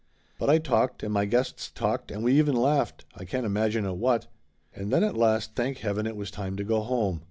But I talked and my guests talked and we even laughed, I can't imagine at what ! And then at last thank heaven it was time to go home.